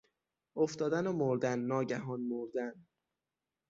افتادن و مردن، ناگهان مردن